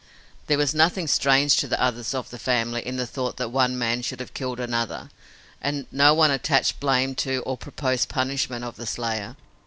There was nothing strange to the others of the family in the thought that one man should have killed another, and no one attached blame to or proposed punishment of the slayer.